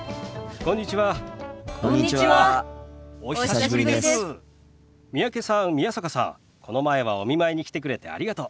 この前はお見舞いに来てくれてありがとう。